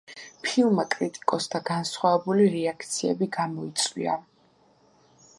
ფილმმა კრიტიკოსთა განსხვავებული რეაქციები გამოიწვია.